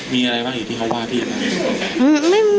มีอะไรบ้างอีกที่เขาว่าพี่